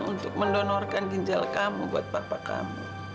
untuk mendonorkan ginjal kamu buat bapak kamu